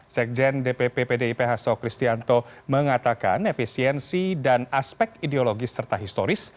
sekjen dpp pdip hasto kristianto mengatakan efisiensi dan aspek ideologis serta historis